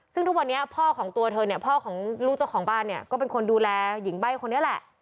ซึ่งทุกวันนี้พ่อของตัวเธอเนี่ยพ่อของลูกเจ้าของบ้านเนี่ยก็เป็นคนดูแลหญิงใบ้คนนี้แหละ